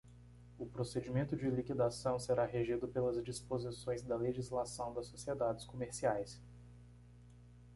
O procedimento de liquidação será regido pelas disposições da legislação das sociedades comerciais.